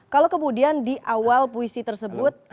kalau kemudian di awal puisi tersebut